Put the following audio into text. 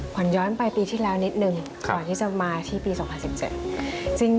ขวัญย้อนไปปีที่แล้วนิดนึงก่อนที่จะมาที่ปี๒๐๑๗